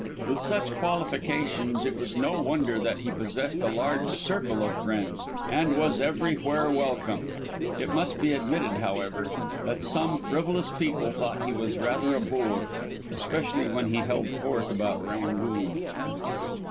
With such qualifications it was no wonder that he possessed a large circle of friends, and was everywhere welcome. It must be admitted, however, that some frivolous people thought he was rather a bore, especially when he held forth about Rangoon.